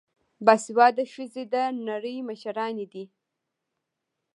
باسواده ښځې د نړۍ مشرانې دي.